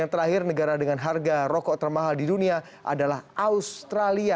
yang terakhir negara dengan harga rokok termahal di dunia adalah australia